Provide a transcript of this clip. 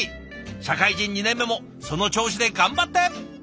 社会人２年目もその調子で頑張って！